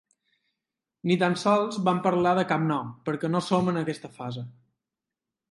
Ni tan sols vam parlar de cap nom, perquè no som en aquesta fase.